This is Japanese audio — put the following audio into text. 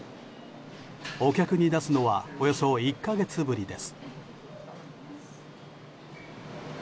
お客に出すのはおよそ１か月ぶりです。